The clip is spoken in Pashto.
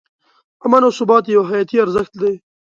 امن او ثبات یو حیاتي ارزښت دی.